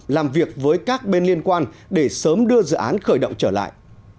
làm việc với các bên liên quan để sớm đưa dự án khởi động trở lại